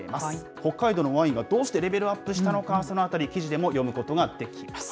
北海道のワインがどうしてレベルアップしたのか、そのあたり、記事でも読むことができます。